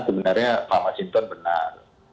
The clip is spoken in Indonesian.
sebenarnya pak masjid tuan benar